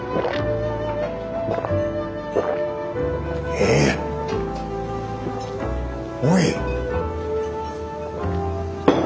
えおい。